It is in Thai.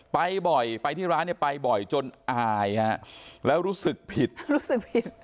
ไปบ่อยไปที่ร้านเนี่ยไปบ่อยจนอายฮะแล้วรู้สึกผิดรู้สึกผิด